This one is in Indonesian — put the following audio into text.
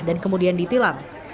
dan kemudian ditilang